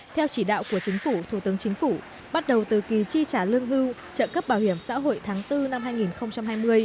theo chỉ đạo của chính phủ thủ tướng chính phủ bắt đầu từ kỳ chi trả lương hưu trợ cấp bảo hiểm xã hội tháng bốn năm hai nghìn hai mươi